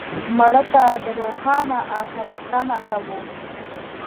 مړه ته د روښانه آخرت تمه کوو